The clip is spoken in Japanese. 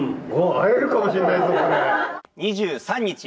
会えるかもしれないぞ、これ。